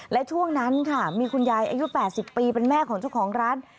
และช่วงนั้นค่ะมีคุณยายอายุ๘๐ปีเป็นแม่ของเจ้าของร้าน